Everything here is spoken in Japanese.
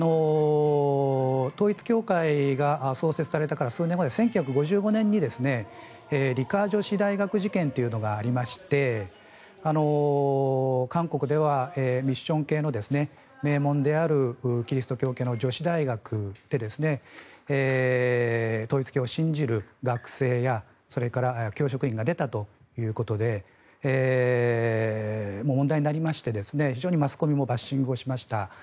統一教会が創設されてから数年後の１９５５年に梨花女子大学事件というのがありまして韓国ではミッション系の名門であるキリスト教系の女子大学で統一教を信じる学生や教職員が出たということで問題になりまして非常にマスコミもバッシングをしました。